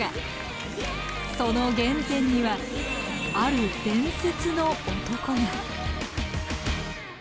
その原点にはある伝説の男が。